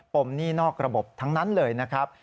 หนี้นอกระบบทั้งนั้นเลยนะครับ